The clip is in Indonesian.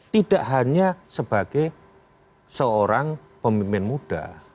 tidak hanya sebagai seorang pemimpin muda